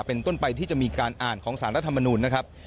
เป็นต้นไปที่จะมีการอ่านของสารรัฐมนุนนะครับ